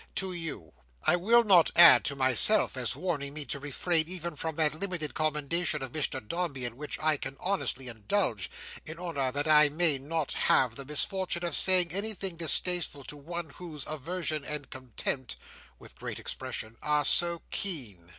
"To you. I will not add to myself, as warning me to refrain even from that limited commendation of Mr Dombey, in which I can honestly indulge, in order that I may not have the misfortune of saying anything distasteful to one whose aversion and contempt," with great expression, "are so keen."